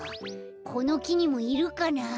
このきにもいるかなあ？